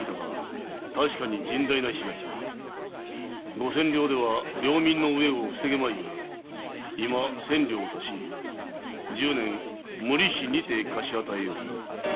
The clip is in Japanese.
五千両では領民の飢えを防げまいゆえ今千両を足し十年無利子にて貸し与えようぞ。